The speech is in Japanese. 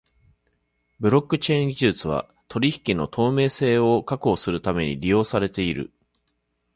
ブロックチェーン技術は取引の透明性を確保するために利用されている。